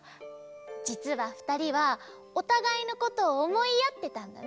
じつはふたりはおたがいのことをおもいあってたんだね。